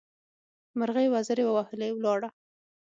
مرغۍ وزرې ووهلې؛ ولاړه.